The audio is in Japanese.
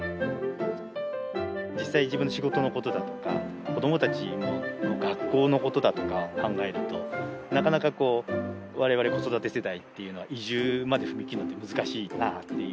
実際自分の仕事のことだとか、子どもたちの学校のことだとかを考えると、なかなかわれわれ子育て世代っていうのは、移住まで踏み切るのって難しいなあっていう。